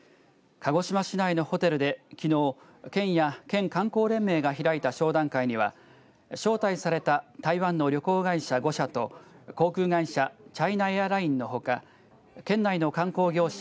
鹿児島市内のホテルできのう県や県観光連盟が開いた商談会には招待された台湾の旅行会社５社と航空会社チャイナエアラインのほか県内の観光業者